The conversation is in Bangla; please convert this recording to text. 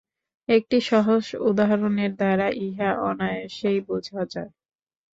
একটি সহজ উদাহরণের দ্বারা ইহা অনায়াসেই বুঝা যায়।